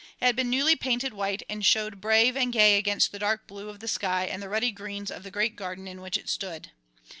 It had been newly painted white and showed brave and gay against the dark blue of the sky and the ruddy greens of the great garden in which it stood.